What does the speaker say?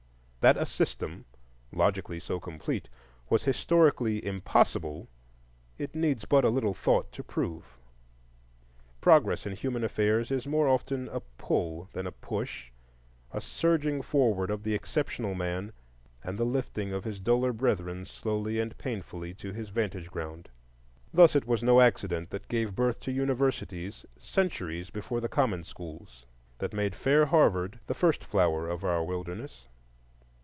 That a system logically so complete was historically impossible, it needs but a little thought to prove. Progress in human affairs is more often a pull than a push, a surging forward of the exceptional man, and the lifting of his duller brethren slowly and painfully to his vantage ground. Thus it was no accident that gave birth to universities centuries before the common schools, that made fair Harvard the first flower of our wilderness.